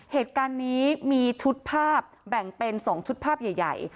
เหตุการณ์นี้มีชุดภาพแบ่งเป็น๒ชุดภาพใหญ่